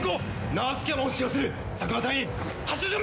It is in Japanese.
ナースキャノンを使用する！